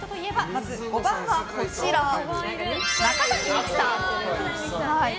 まず５番は中谷美紀さん。